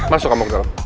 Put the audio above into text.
masuk ke dalam